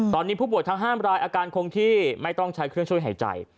ตอนนี้ผู้ป่วยทั้ง๕รายอาการคงที่ไม่ต้องใช้เครื่องช่วยหายใจ